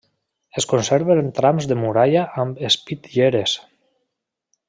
Es conserven trams de muralla amb espitlleres.